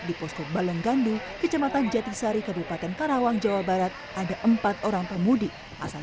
di posko balenggandu kecamatan jatisari kabupaten karawang jawa barat ada empat orang pemudik asal